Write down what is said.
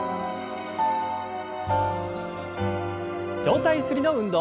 上体ゆすりの運動。